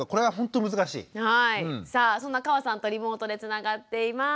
さあそんな河さんとリモートでつながっています。